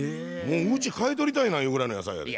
うち買い取りたいなゆうぐらいの野菜やった。